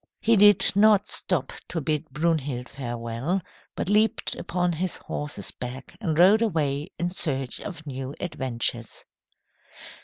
He did not stop to bid Brunhild farewell, but leaped upon his horse's back and rode away in search of new adventures.